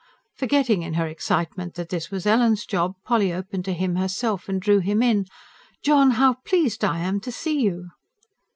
Forgetting in her excitement that this was Ellen's job, Polly opened to him herself, and drew him in. "John! How pleased I am to see you!"